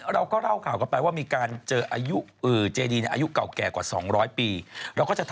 ระดูกค่ะเลอบกันดีกว่าที่แม่ซอด